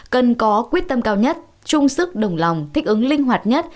cần có quyết tâm cao nhất trung sức đồng lòng thích ứng linh hoạt nhất